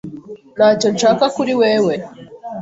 Ntacyo nshaka kuri wewe.